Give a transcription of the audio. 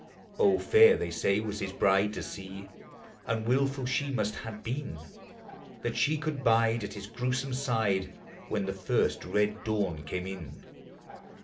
Oh, fair they say, was his bride to see, And wilful she must have been, That she could bide at his gruesome side When the first red dawn came in.